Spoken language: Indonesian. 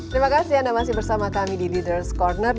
terima kasih anda masih bersama kami di leaders' corner